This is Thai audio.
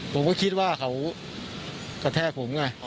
ผมก็คิดว่าเขากระแทกผมไง